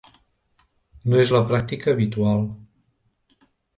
No és la pràctica habitual.